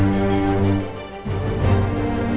kau gak sudah tahu